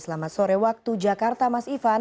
selamat sore waktu jakarta mas ivan